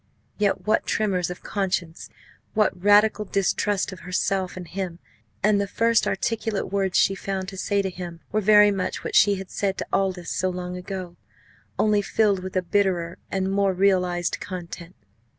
Yet what tremors of conscience what radical distrust of herself and him! And the first articulate words she found to say to him were very much what she had said to Aldous so long ago only filled with a bitterer and more realised content.